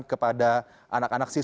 kepada anak anak siswa